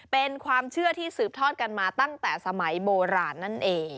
เป็นความเชื่อที่สืบทอดกันมาตั้งแต่สมัยโบราณนั่นเอง